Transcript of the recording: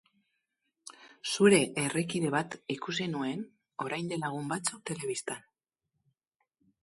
Zure herrikide bat ikusi nuen orain egun batzuk telebistan.